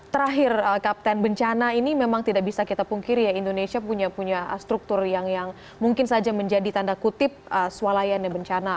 terakhir kapten bencana ini memang tidak bisa kita pungkiri ya indonesia punya struktur yang mungkin saja menjadi tanda kutip swalayan dan bencana